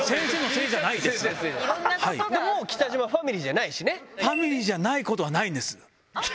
違います、もう北島ファミリーじゃないファミリーじゃないことはないんです。